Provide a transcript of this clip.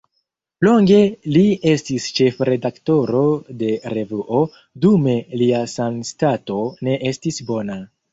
Longe li estis ĉefredaktoro de revuo, dume lia sanstato ne estis bona.